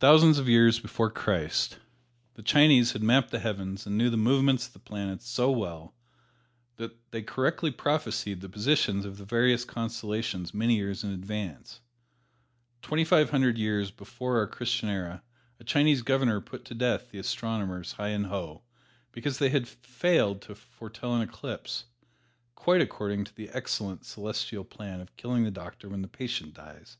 Thousands of years before Christ, the Chinese had mapped the heavens and knew the movements of the planets so well that they correctly prophesied the positions of the various constellations many years in advance. Twenty five hundred years before our Christian era a Chinese Governor put to death the astronomers Hi and Ho because they had failed to foretell an eclipse, quite according to the excellent Celestial plan of killing the doctor when the patient dies.